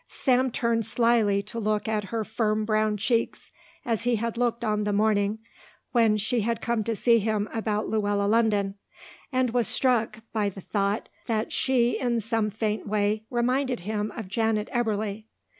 Sam turned slyly to look at her firm brown cheeks as he had looked on the morning when she had come to see him about Luella London and was struck by the thought that she in some faint way reminded him of Janet Eberly.